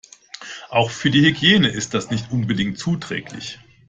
Auch für die Hygiene ist es nicht unbedingt zuträglich.